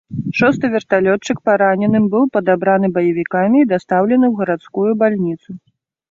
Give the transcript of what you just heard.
Шосты верталётчык параненым быў падабраны баевікамі і дастаўлены ў гарадскую бальніцу.